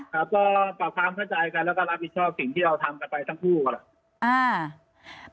ครับก็ปรับความเข้าใจกันแล้วก็รับผิดชอบสิ่งที่เราทำกันไปทั้งคู่แหละ